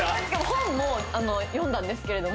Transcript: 本も読んだんですけど。